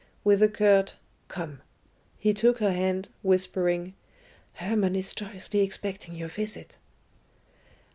With a curt "Come," he took her hand, whispering, "Hermon is joyously expecting your visit."